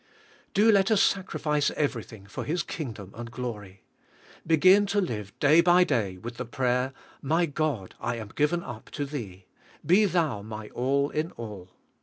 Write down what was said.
Do let us sacrifice everything for His kingdom and glory. Begin to live day by day with the prayer, ''My God, I am given up to Thee. Be Thou my all in all."